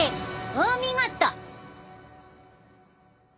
お見事！